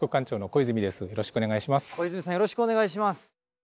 小泉さんよろしくお願いします。